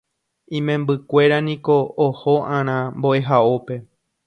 Imembykuéra niko oho'arã mbo'ehaópe.